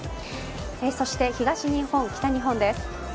そして東日本、北日本です。